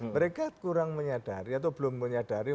mereka kurang menyadari atau belum menyadari